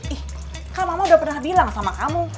ih kak mama udah pernah bilang sama kamu